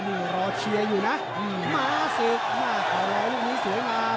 นี่รอเชียร์อยู่นะม้าสึกหน้าขาวแรงวิ่งนี้สวยมาก